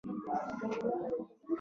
د ځنګلي سیمو چاپیر